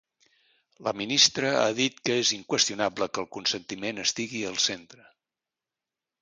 La ministra ha dit que és “inqüestionable” que el consentiment estigui al centre.